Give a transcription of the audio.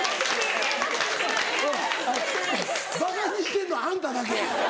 ばかにしてんのあんただけ。